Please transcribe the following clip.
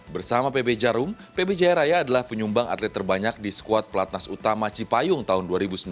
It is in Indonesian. bersama pb jarum pb jaya raya adalah penyumbang atlet terbanyak di skuad pelatnas utama cipayung tahun dua ribu sembilan belas